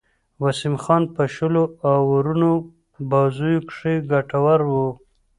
وسیم خان په شلو آورونو بازيو کښي ګټور وو.